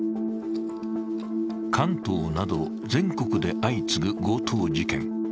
関東など全国で相次ぐ強盗事件。